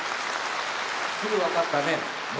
すぐ分かったね。